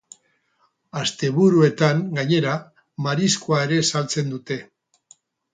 Asteburuetan, gainera, mariskoa ere saltzen dute.